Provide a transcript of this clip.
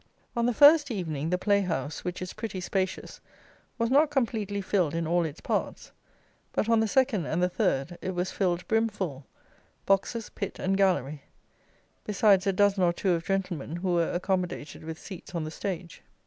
On the first evening, the play house, which is pretty spacious, was not completely filled in all its parts; but on the second and the third, it was filled brim full, boxes, pit and gallery; besides a dozen or two of gentlemen who were accommodated with seats on the stage.